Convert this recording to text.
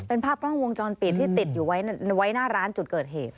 เป็นภาพกล้องวงจรปิดที่ติดอยู่ไว้หน้าร้านจุดเกิดเหตุ